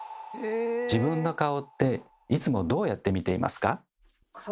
自分の顔っていつもどうやって見ていますか？